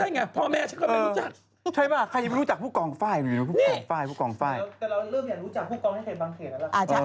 แต่เราเริ่มอยากรู้จักผู้กองให้ใครบางเกตแล้ว